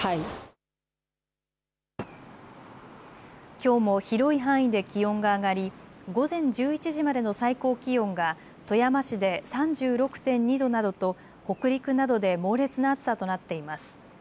きょうも広い範囲で気温が上がり午前１１時までの最高気温が富山市で３６．２度などと北陸などで猛烈な暑さとなっています。